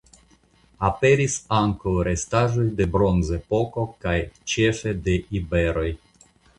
Aperis ankaŭ restaĵoj de Bronzepoko kaj ĉefe de iberoj.